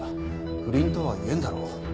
不倫とは言えんだろう。